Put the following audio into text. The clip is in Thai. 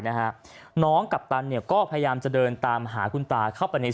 นะฮะน้องกัปตันเนี่ยก็พยายามจะเดินตามหาคุณตาเข้าไปใน